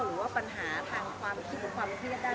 หรือว่าปัญหาทางความคิดกับความคิดกันได้